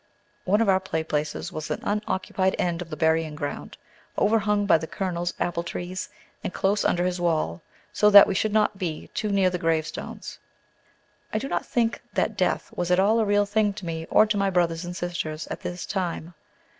One of our play places was an unoccupied end of the burying ground, overhung by the Colonel's apple trees and close under his wall, so that we should not be too near the grave stones. I do not think that death was at all a real thing to me or to my brothers and sisters at this time.